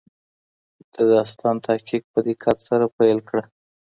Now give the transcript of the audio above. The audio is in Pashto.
د داستان تحقیق په دقت سره پیل کړه.